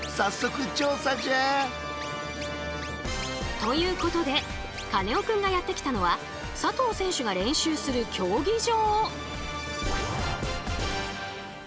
ということでカネオくんがやって来たのは佐藤選手が練習する競技場。